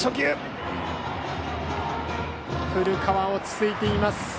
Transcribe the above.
古川、落ち着いています。